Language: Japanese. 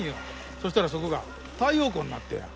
そしたらそこが太陽光になったんや。